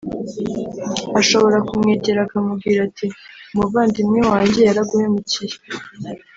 ashobora kumwegera akamubwira ati ‘umuvandimwe wanjye yaraguhemukiye